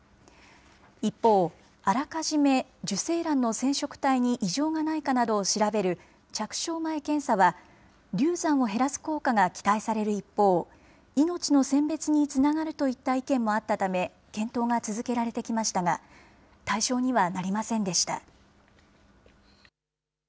一方、あらかじめ受精卵の染色体に異常がないかなどを調べる着床前検査は、流産を減らす効果が期待される一方、命の選別につながるといった意見もあったため、検討が続けられてきましたが、対象にはなりませんでした。